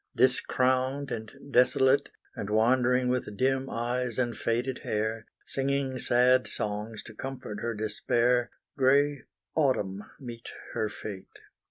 Discrowned and desolate, And wandering with dim eyes and faded hair, Singing sad songs to comfort her despair, Grey Autumn meets her fate.